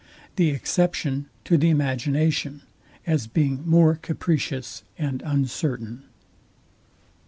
The exception to the imagination, as being more capricious and uncertain.